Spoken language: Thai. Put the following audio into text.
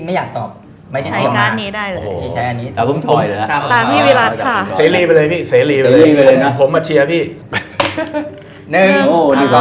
ไม่รู้จักแล้วเดี๋ยวต้องถามชีวิตดีกว่า